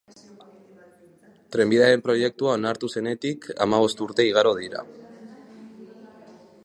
Trenbidearen proiektua onartu zenetik hamabost urte igaro dira.